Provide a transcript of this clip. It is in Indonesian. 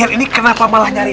ini kenapa malah nyari